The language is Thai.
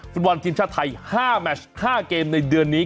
ฟุตบอลทีมชาติไทย๕แมช๕เกมในเดือนนี้